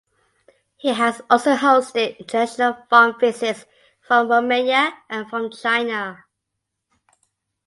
He has also hosted International farm visits from Romania and from China.